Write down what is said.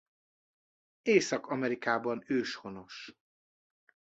Észak-Amerikában őshonos.